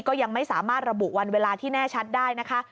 ก็ยังไม่สามารถระบุวันเวลาที่แน่ชัดได้นะคะ